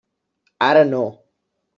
Ara no.